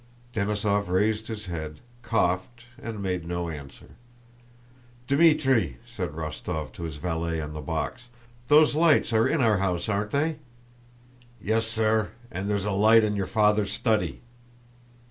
Denísov raised his head, coughed, and made no answer. "Dmítri," said Rostóv to his valet on the box, "those lights are in our house, aren't they?" "Yes, sir, and there's a light in your father's study."